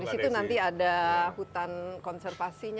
di situ nanti ada hutan konservasinya